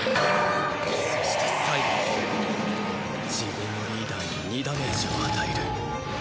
そして最後に自分のリーダーに２ダメージを与える。